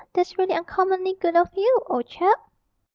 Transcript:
That's really uncommonly good of you, old chap.'